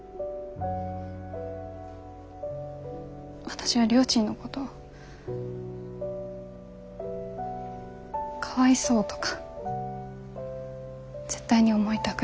私はりょーちんのことかわいそうとか絶対に思いたくない。